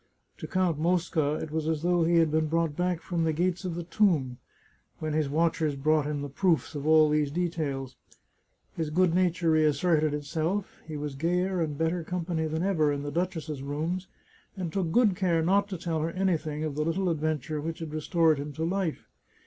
To Count Mosca it was as though he had been brought back from the gates of the tomb, when his watchers brought him the proofs of all these details. His good nature re asserted itself ; he was gayer and better company than ever in the duchess's rooms, and took good care not to tell her anything of the little adventure which had restored him to life.